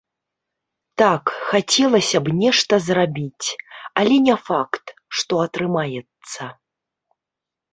Так, хацелася б нешта зрабіць, але не факт, што атрымаецца.